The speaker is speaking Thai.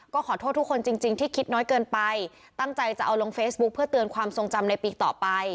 ก็ขอโทษทุกคนจริงที่คิดน้อยเกินไปตั้งใจจะเอาลงเฟซบุ๊คเพื่อเตือนความทรงจำในปีต่อไป